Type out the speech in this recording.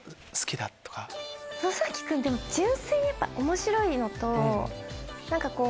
野崎君って純粋にやっぱ面白いのと何かこう。